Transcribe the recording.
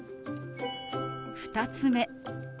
２つ目。